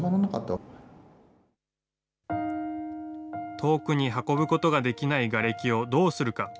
遠くに運ぶことができないがれきをどうするか。